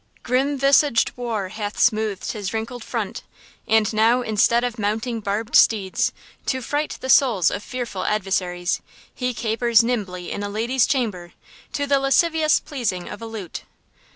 Grim visaged war hath smoothed his wrinkled front, And now instead of mounting barbed steeds, To fright the souls of fearful adversaries, He capers nimbly in a lady's chamber, To the lascivious pleasing of a lute.